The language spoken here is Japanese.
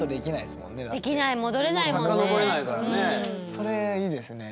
それいいですね。